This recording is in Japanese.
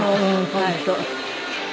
本当。